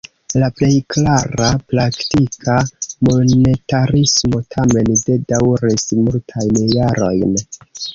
La plej klara praktika monetarismo tamen ne daŭris multajn jarojn.